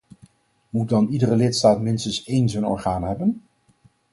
Moet dan iedere lidstaat minstens één zo'n orgaan hebben?